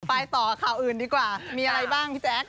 ไปต่อข่าวอื่นดีกว่ามีอะไรบ้างพี่แจ๊ค